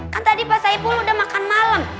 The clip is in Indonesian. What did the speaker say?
kan tadi pak saipul udah makan malem